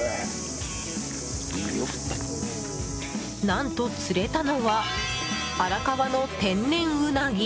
何と、釣れたのは荒川の天然ウナギ。